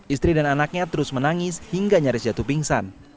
istri dan anaknya terus menangis hingga nyaris jatuh pingsan